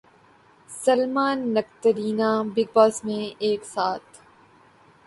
Salman Katrina big باس میں ایک ساتھ